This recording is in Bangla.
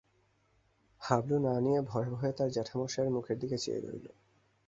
হাবলু না নিয়ে ভয়ে ভয়ে তার জ্যাঠামশায়ের মুখের দিকে চেয়ে রইল।